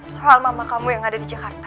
soal mama kamu yang ada di jakarta